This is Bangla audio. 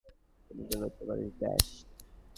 তুই কি লড়তে পারিস, দাস?